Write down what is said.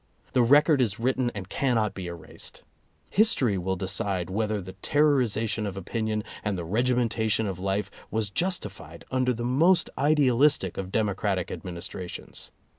The record is written and cannot be erased. History will decide whether the terrori zation of opinion, and the regimentation of life was justified under the most idealistic of demo cratic administrations.